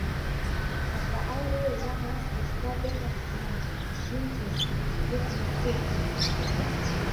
Аха ауриа иаб анс дишьҭуа дыҟахызма, ишимчыз ибжьгьы неиҵихит…